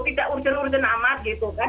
tidak urgen urgen amat gitu kan